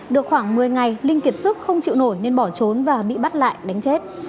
được khoảng một mươi ngày linh kiệt sức không chịu nổi nên bỏ trốn và bị bắt lại đánh chết